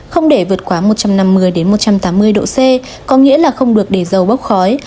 không để vượt quá một trăm năm mươi một trăm tám mươi độ c có nghĩa là không được để dầu bốc khói